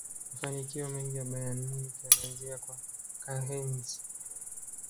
mafanikio mengi ya bayern munich yanaanzia kwa karlheinze